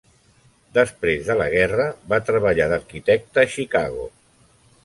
Després de la guerra, va treballar d'arquitecte a Chicago.